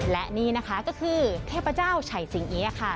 และนี่นะคะก็คือเทพเจ้าไฉสิงเอี๊ยะค่ะ